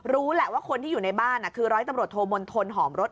รู้แหละว่าคนที่อยู่ในบ้านคือร้อยตำรวจโทมนทนหอมรถ